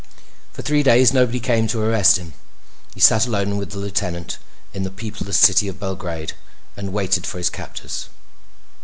For three days nobody came to arrest him. He sat alone with the lieutenant in the peopleless city of Belgrade and waited for his captors.